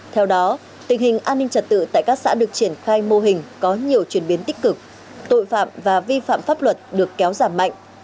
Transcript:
theo đó tình hình an ninh trật tự tại các xã được triển khai mô hình có nhiều chuyển biến tích cực tội phạm và vi phạm pháp luật được kéo giảm mạnh